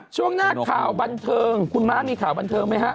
ช่วงหน้าข่าวบันเทิงคุณม้ามีข่าวบันเทิงไหมฮะ